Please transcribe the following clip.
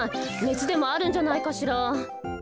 ねつでもあるんじゃないかしら。